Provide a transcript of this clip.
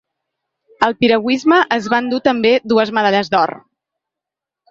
El piragüisme es va endur també dues medalles d’or.